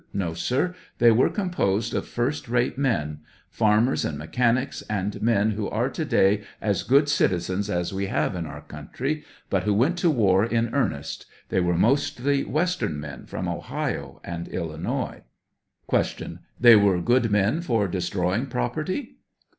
No, sir ; they were composed of first rate men — farmers and mechanics, and men who are to day as good citizens as we have in our country, but who went to war in earnest; they were mostly western men, from Ohio and Illinois. Q . They were good men for destroying property